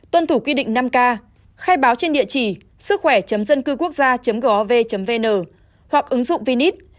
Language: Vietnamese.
tuân thủ quy định năm k khai báo trên địa chỉ sứckhoẻ dâncưquốcgia gov vn hoặc ứng dụng vnit